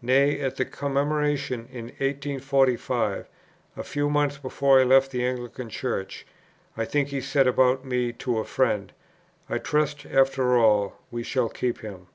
Nay, at the Commemoration of 1845, a few months before I left the Anglican Church, I think he said about me to a friend, "I trust after all we shall keep him."